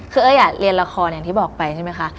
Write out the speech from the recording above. คือเอ้ยเรียนละครอย่างที่บอกไปใช่ไหมคะ